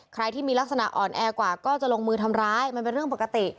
ใครที่มีลักษณะอ่อนแอกว่าก็จะลงมือทำร้ายมันเป็นเรื่องปกติ